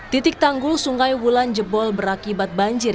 titik tanggul sungai wulan jebol berakibat banjir